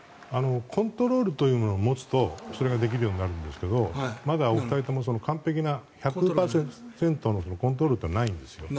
コントロールというのを持つとそれができるようになるんですけどまだ大谷君も完璧な１００％のコントロールってないんですよ。